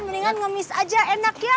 sama pengemis aja enak ya